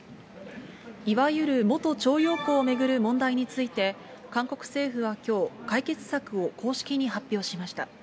いわゆる元徴用工を巡る問題について、韓国政府はきょう、解決策を公式に発表しました。